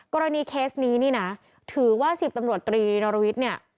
กรณีเคสนี้นี่นะถือว่า๑๐ตำรวจตรีนรวิทย์เนี่ย